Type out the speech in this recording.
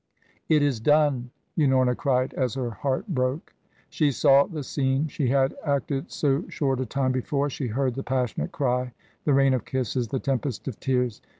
"It is done!" Unorna cried, as her heart broke. She saw the scene she had acted so short a time before. She heard the passionate cry, the rain of kisses, the tempest of tears.